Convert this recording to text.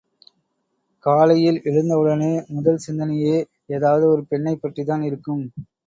காலையில் எழுந்தவுடனே முதல் சிந்தனையே ஏதாவது ஒரு பெண்ணைப் பற்றித்தான் இருக்கும்.